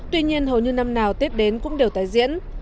tuy nhiên hầu như năm nào tiếp đến cũng đều tái diễn